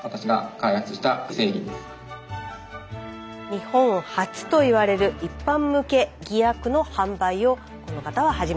日本初と言われる一般向け偽薬の販売をこの方は始めました。